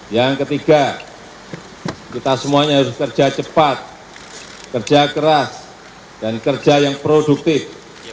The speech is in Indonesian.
yang ketiga kita semuanya harus kerja cepat kerja keras dan kerja yang produktif